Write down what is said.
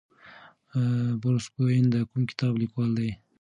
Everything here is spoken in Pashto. بروس کوئن د کوم کتاب لیکوال دی؟